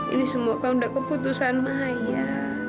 ini semua kan udah keputusan maya